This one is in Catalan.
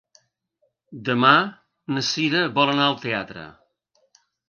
Demà na Cira vol anar al teatre.